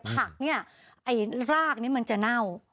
ผักนี่รากนี่มันจะเน่า